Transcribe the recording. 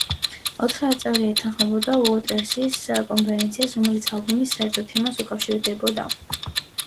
ოთხივე წევრი ეთანხმებოდა უოტერსის კონცეფციას, რომელიც ალბომის საერთო თემას უკავშირდებოდა.